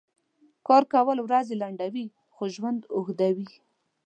کار کؤل ؤرځې لنډؤي خو ژؤند اوږدؤي .